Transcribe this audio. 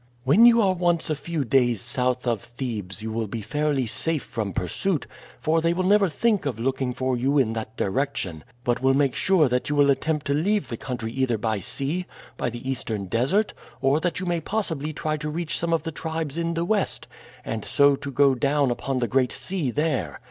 "When you are once a few days south of Thebes you will be fairly safe from pursuit, for they will never think of looking for you in that direction, but will make sure that you will attempt to leave the country either by sea, by the Eastern Desert, or that you may possibly try to reach some of the tribes in the west, and so to go down upon the Great Sea there.